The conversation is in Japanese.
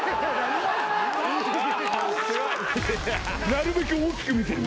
なるべく大きく見せる。